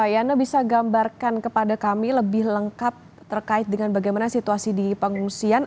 yana bisa gambarkan kepada kami lebih lengkap terkait dengan bagaimana situasi di pengungsian